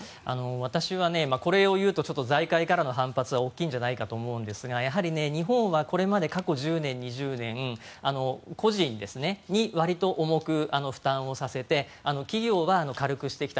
私はこれを言うと財界からの反発は大きいんじゃないかと思うんですがやはり日本はこれまで過去１０年、２０年個人にわりと重く負担をさせて企業は軽くしてきた。